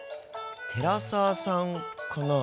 寺澤さんかな？